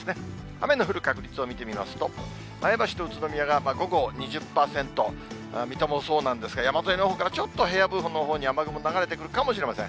雨の降る確率を見てみますと、前橋と宇都宮が午後２０％、水戸もそうなんですが、山沿いのほうからちょっと、平野部のほうに雨雲流れてくるかもしれません。